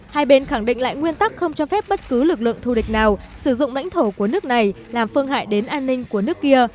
hai bên khẳng định lại nguyên tắc không cho phép bất cứ lực lượng thù địch nào sử dụng lãnh thổ của nước này làm phương hại đến an ninh của nước kia